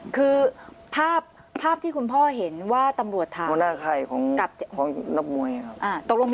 คือภาพที่คุณพ่อเห็นว่าตำรวจถามหัวหน้าใครของนักมวยครับ